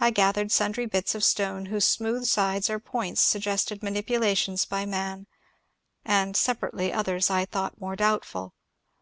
I gathered sundry bits of stone whose smooth sides or points suggested manipulations by man, and, separately others I thought more doubtful.